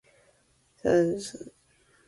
Thus, such a set can be seen as creating a type.